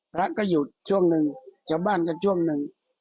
พระก็หยุดช่วงหนึ่งชาวบ้านก็ช่วงหนึ่ง